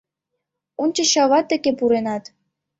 — Ончыч ават деке пуренат...